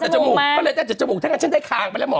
จมูกเที่ยวก็ฉันได้ขางไปแล้วหมอ